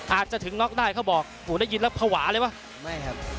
อาจจะถึงน็อกได้เขาบอกผมได้ยินแล้วภาวะเลยป่ะ